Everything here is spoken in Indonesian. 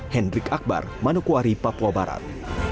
hendrik akbar manokwari papua barat